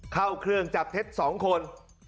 เข้าเครื่องจับเท็จ๒คน